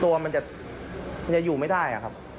ตัวมันจะอยู่ไม่ได้